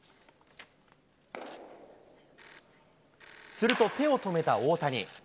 すると、手を止めた大谷。